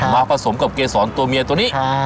ผสมกับเกษรตัวเมียตัวนี้